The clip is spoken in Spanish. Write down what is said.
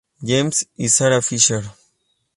James y Sarah Fisher.